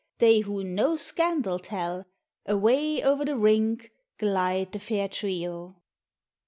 They who no scandal tell. Away o'er the rink Glide the fair trio.